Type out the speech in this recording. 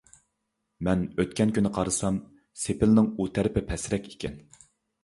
مەن ئۆتكەن كۈنى قارىسام، سېپىلنىڭ ئۇ تەرىپى پەسرەك ئىكەن.